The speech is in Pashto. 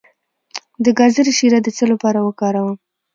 د ګازرې شیره د څه لپاره وکاروم؟